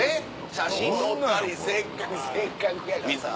写真撮ったりせっかくやからさ。